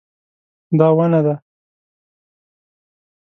دا ونه ده